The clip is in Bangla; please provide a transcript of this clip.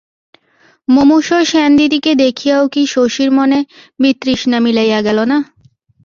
মুমুর্ষ সেনদিদিকে দেখিয়াও কি শশীর মনে বিতৃষ্ণা মিলাইয়া গেল না?